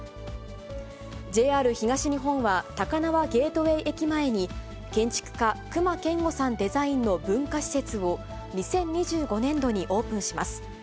ＪＲ東日本は、高輪ゲートウェイ駅前に、建築家、隈研吾さんデザインの文化施設を、２０２５年度にオープンします。